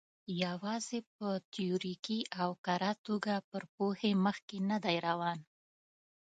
یوازې په تیوریکي او کره توګه پر پوهې مخکې نه دی روان.